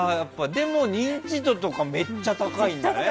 でも認知度とかめっちゃ高いんだね。